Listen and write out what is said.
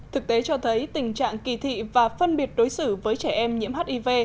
thực tế cho thấy tình trạng kỳ thị và phân biệt đối xử với trẻ em nhiễm hiv